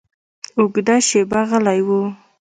اوږده شېبه غلی و.